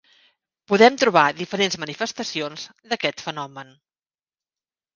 Podem trobar diferents manifestacions d'aquest fenomen.